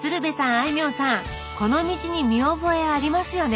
あいみょんさんこの道に見覚えありますよね？